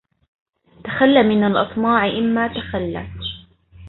تخل من الأطماع إما تخلت